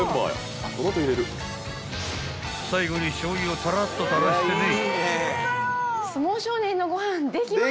［最後にしょうゆをたらっと垂らしてね］